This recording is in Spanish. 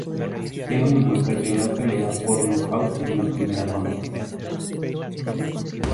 Te-Huna perdió la pelea por nocaut en la primera ronda.